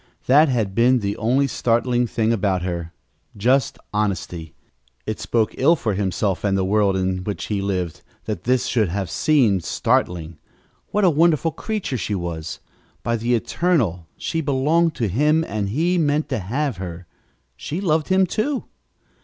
That had been the only startling thing about her just honesty. It spoke ill for himself and the world in which he lived that this should have seemed startling! What a wonderful creature she was! By the Eternal, she belonged to him and he meant to have her! She loved him, too!